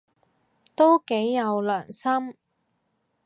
都幾有良心